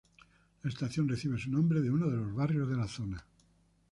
La estación recibe su nombre de uno de los barrios de la zona.